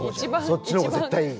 そっちの方が絶対いい。